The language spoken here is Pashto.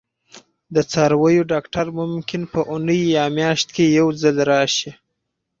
د څارویو ډاکټر ممکن په اونۍ یا میاشت کې یو ځل راشي